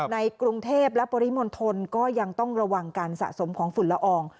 ในกรุงเทพและปริมณฑลก็ยังต้องระวังการสะสมของฝุ่นละออง